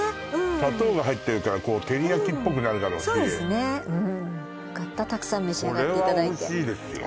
砂糖が入ってるからこう照り焼きっぽくなるだろうしそうですねうんよかったたくさん召し上がっていただいてこれはおいしいですよ